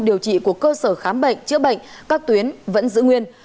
điều trị của cơ sở khám bệnh chữa bệnh các tuyến vẫn giữ nguyên